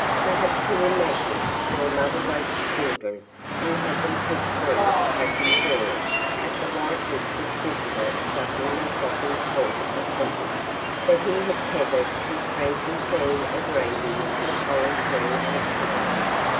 Perhaps he imagined, while mother woke the children and had them peek through a "crack in the door" at the white whiskered visitor stuffing their stockings full of presents, that he had tethered his prancing team of reindeer to a holly tree outside.